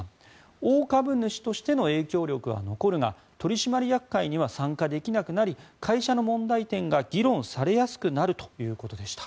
大株主としての影響力は残るが取締役会には参加できなくなり会社の問題点が議論されやすくなるということでした。